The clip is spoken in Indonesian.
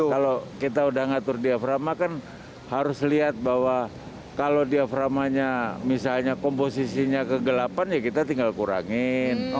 kalau kita udah ngatur diaframa kan harus lihat bahwa kalau diaframanya misalnya komposisinya kegelapan ya kita tinggal kurangin